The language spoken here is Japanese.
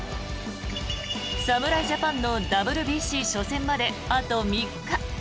侍ジャパンのＷＢＣ初戦まであと３日。